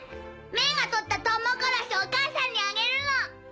メイが取ったトウモコロシお母さんにあげるの。